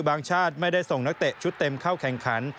ชาติไม่ได้ส่งนักเตะชุดเต็มเข้าแข่งขัน